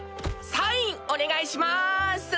サインお願いします！